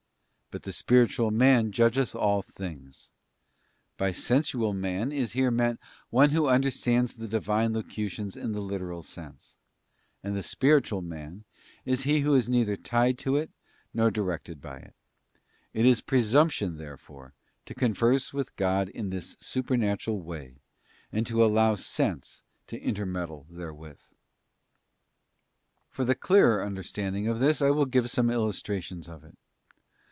But the spiritual man judgeth all things.' * By 'sensual man' is here meant one who under stands the Divine locutions in the literal sense; and the 'spiritual man' is he who is neither tied to it, nor directed by it. It is presumption therefore to converse with God in this supernatural way and to allow sense to intermeddle therewith. . For the clearer understanding of this I will give some illustrations of it.